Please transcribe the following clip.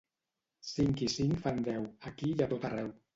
Cinc i cinc fan deu, aquí i a tot arreu.